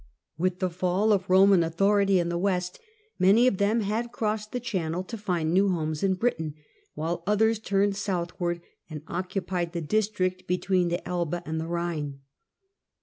"With the fall of Roman authority in the west many of them had crossed the channel to find new homes in Britain, while others turned south ward and occupied the district between the Elbe and the Rhine.